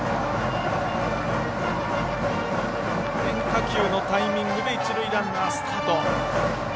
変化球のタイミングで一塁ランナースタート。